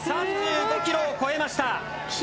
３５ｋｍを越えました。